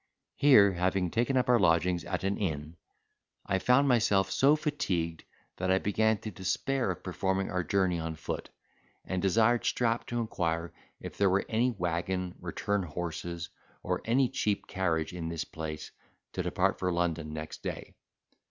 Here having taken up our lodging at an an inn, I found myself so fatigued that I began to despair of performing our journey on foot, and desired Strap to inquire if there were any waggon, return horses, or any cheap carriage in this place, to depart for London next day.